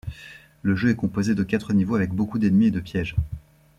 Le jeu est composé de quatre niveaux avec beaucoup d'ennemis et de pièges.